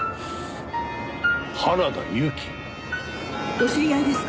お知り合いですか？